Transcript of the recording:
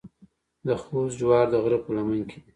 د خوست جوار د غره په لمن کې دي.